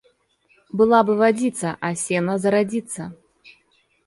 Была бы водица, а сено зародится.